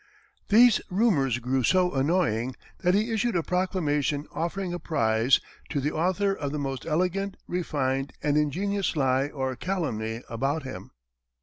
These rumors grew so annoying, that he issued a proclamation offering a prize "To the Author of the Most Elegant, Refined, and Ingenious Lie or Calumny" about him.